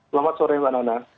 selamat sore mbak nona